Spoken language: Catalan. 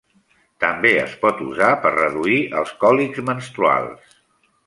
També es pot usar per reduir els còlics menstruals.